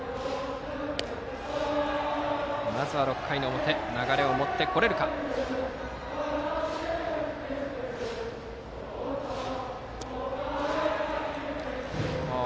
まずは６回の表流れを持ってこれるかどうか。